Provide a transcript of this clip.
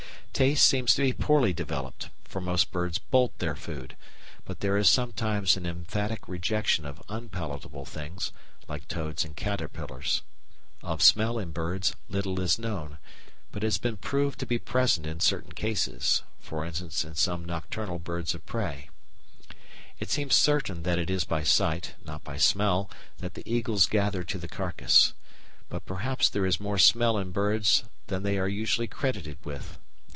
Taste seems to be poorly developed, for most birds bolt their food, but there is sometimes an emphatic rejection of unpalatable things, like toads and caterpillars. Of smell in birds little is known, but it has been proved to be present in certain cases, e.g. in some nocturnal birds of prey. It seems certain that it is by sight, not by smell, that the eagles gather to the carcass; but perhaps there is more smell in birds than they are usually credited with.